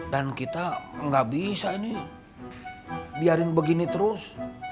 dan kita gak bisa ini biarin begini terus